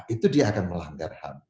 itu dia akan melanggar ham